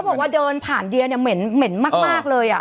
เขาบอกว่าเดินผ่านเดี๋ยวเนี้ยเหม็นเหม็นมากมากเลยอ่ะ